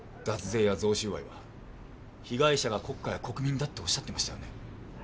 脱税や贈収賄は被害者が国家や国民だっておっしゃってましたよね。